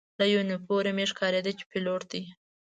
له یونیفورم یې ښکارېده چې پیلوټ دی.